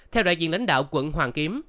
theo đại diện lãnh đạo quận hoàng kiếm